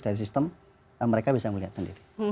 dari sistem mereka bisa melihat sendiri